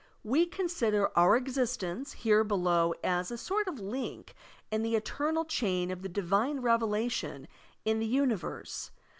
We consider otir existence here below as a sort of link in the eternal chain of the divine revelation in the tiniverse.